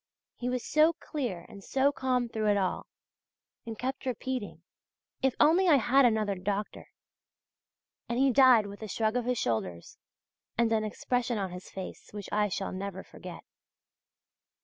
He was so clear and so calm through it all, and kept repeating: "If only I had another doctor!" And he died with a shrug of his shoulders, and an expression on his face which I shall never forget.